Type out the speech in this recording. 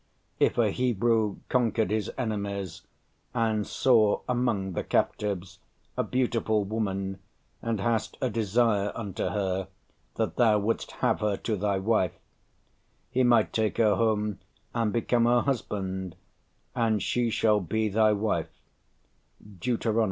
If a Hebrew conquered his enemies, and saw "among the captives a beautiful woman, and hast a desire unto her, that thou wouldst have her to thy wife," he might take her home, and become her husband, "and she shall be thy wife" (Deut.